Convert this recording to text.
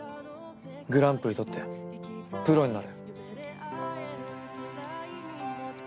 グランプリ獲ってプロになれ。